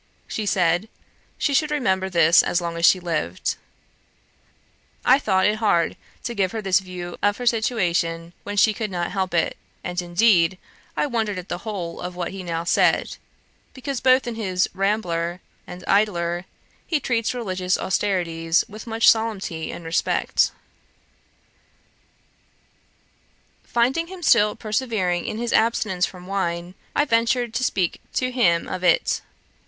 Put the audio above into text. She said, "She should remember this as long as she lived."' I thought it hard to give her this view of her situation, when she could not help it; and, indeed, I wondered at the whole of what he now said; because, both in his Rambler and Idler, he treats religious austerities with much solemnity of respect. Finding him still persevering in his abstinence from wine, I ventured to speak to him of it.